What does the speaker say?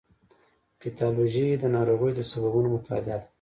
پیتالوژي د ناروغیو د سببونو مطالعه ده.